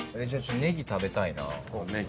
ネギ食べたいな。